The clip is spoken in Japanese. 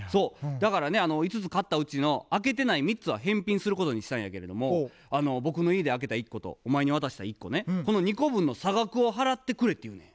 だからね５つ買ったうちの開けてない３つは返品することにしたんやけれども僕の家で開けた１個とお前に渡した１個ねこの２個分の差額を払ってくれって言うのや。